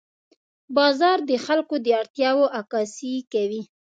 بازار د خلکو د اړتیاوو عکاسي کوي.